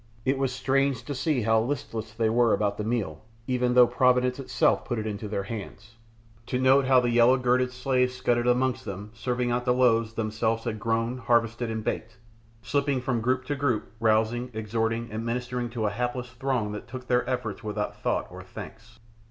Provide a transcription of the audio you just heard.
It was strange to see how listless they were about the meal, even though Providence itself put it into their hands; to note how the yellow girted slaves scudded amongst them, serving out the loaves, themselves had grown, harvested, and baked; slipping from group to group, rousing, exhorting, administering to a helpless throng that took their efforts without thought or thanks.